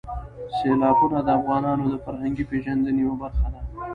سیلابونه د افغانانو د فرهنګي پیژندنې یوه برخه ده.